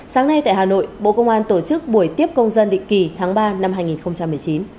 sáng nay tại hà nội bộ công an tổ chức buổi tiếp công dân định kỳ tháng ba năm hai nghìn một mươi chín